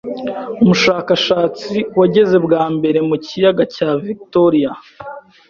umushakashatsi wageze bwa mbere mu kiyaga cya Victoria